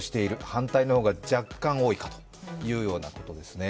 反対の方が若干多いかというようなことですね。